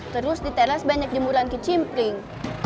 terus di teras banyak jemuran ke cimpling